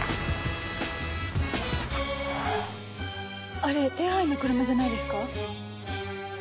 あれ手配の車じゃないですか？